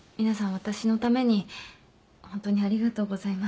私のためにホントにありがとうございます。